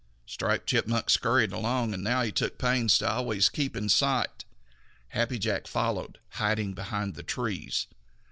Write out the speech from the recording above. Striped Chipmunk scurried along, and now he took pains to always keep in sight. Happy Jack followed, hiding behind the trees.